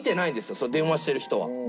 その電話してる人は。